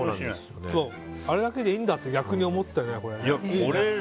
あれだけでいいんだって逆に思ってね。